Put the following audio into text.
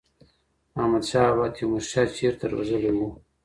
احمد شاه بابا تیمور شاه چیرته روزلی و؟